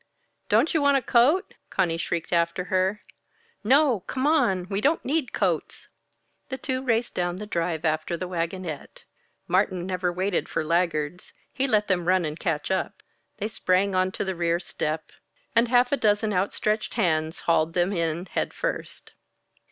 "Don't you want a coat?" Conny shrieked after her. "No come on we don't need coats." The two raced down the drive after the wagonette Martin never waited for laggards; he let them run and catch up. They sprang onto the rear step; and half a dozen outstretched hands hauled them in, head first.